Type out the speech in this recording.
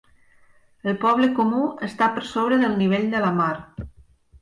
El poble comú està per sobre del nivell de la mar.